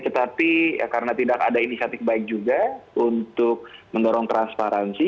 tetapi karena tidak ada inisiatif baik juga untuk mendorong transparansi